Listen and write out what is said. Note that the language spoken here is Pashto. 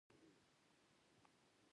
منابع په عمومي ډول په څلور ډوله دي.